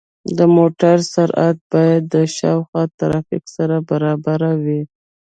د موټرو سرعت باید د شاوخوا ترافیک سره برابر وي.